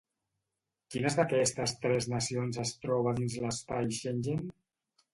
Quines d'aquestes tres nacions es troba dins l'espai Schengen?